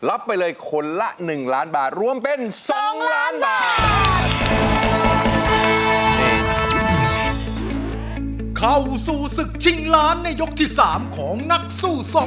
รับไปเลยคนละ๑ล้านบาทรวมเป็น๒ล้านบาท